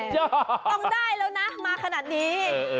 ต้องได้แล้วนะมาขนาดนี้